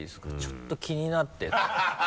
ちょっと気になって。